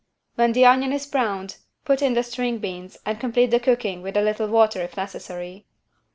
When the onion is browned put in the string beans and complete the cooking with a little water if necessary.